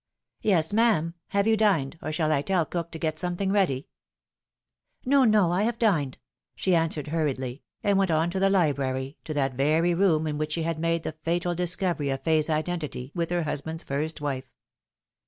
" Yes, ma'am. Have you dined, or shall I tell cook to get something ready ?"" No, no. I have dined," she Answered hurriedly, and went on to the library, to that very room in which she had made the fatal discovery of Fay's identity with her husband's first wife.